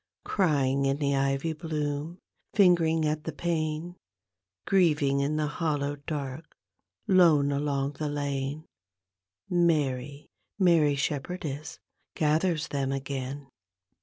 Crying in the ivy bloom, Angering at the pane. Grieving in the hallow dark, Icmc along the lane, Mary, Mary Shepherdess gathers them again.